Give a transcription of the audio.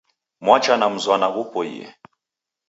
Mwacha na mzwana ghupoi